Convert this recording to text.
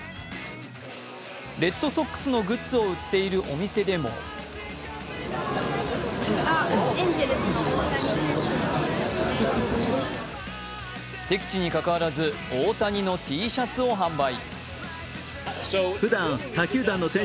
レッドソックスのグッズを売っているお店でも敵地にかかわらず大谷のＴシャツを販売。